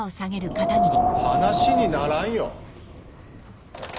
話にならんよ。